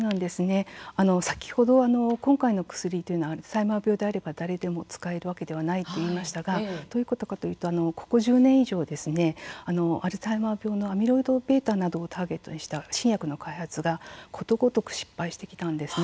先ほど今回の薬というのはアルツハイマー病であれば誰でも使えるわけではないと言いましたが、どういうことかと言うと、ここ１０年以上アルツハイマー病のアミロイドβなどをターゲットにした新薬の開発はことごとく失敗してきました。